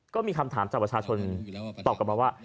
ก็มีคำถามจากประชาชนตอบกลับมาว่า